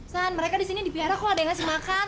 san mereka di sini dipiara kok ada yang ngasih makan